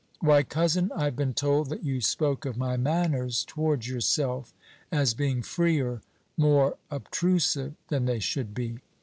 "Why, cousin, I have been told that you spoke of my manners towards yourself as being freer more obtrusive than they should be.